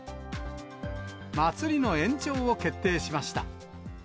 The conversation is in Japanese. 祭りの延長を決定しました。